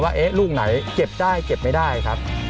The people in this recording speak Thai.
ว่าลูกไหนเก็บได้เก็บไม่ได้ครับ